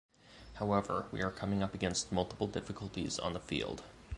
However, we are coming up against multiple difficulties on the field.